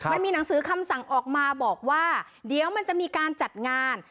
มันมีหนังสือคำสั่งออกมาบอกว่าเดี๋ยวมันจะมีการจัดงาน